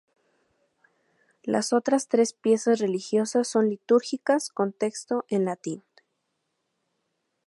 Las otras tres piezas religiosas son litúrgicas con texto en latín.